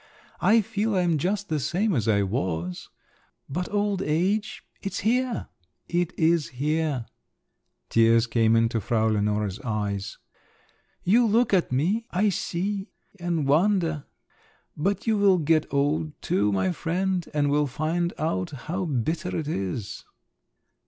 I feel I'm just the same as I was … but old age—it's here! it is here!" Tears came into Frau Lenore's eyes. "You look at me, I see, and wonder…. But you will get old too, my friend, and will find out how bitter it is!"